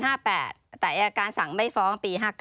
แต่อายการสั่งไม่ฟ้องปี๕๙